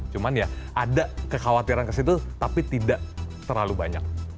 cuman ya ada kekhawatiran ke situ tapi tidak terlalu banyak